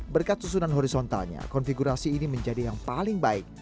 berkat susunan horizontalnya konfigurasi ini menjadi yang paling baik